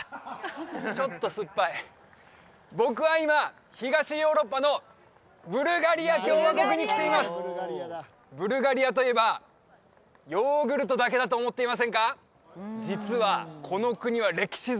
ちょっと酸っぱい僕は今東ヨーロッパのブルガリア共和国に来ていますブルガリアといえばヨーグルトだけだと思っていませんか？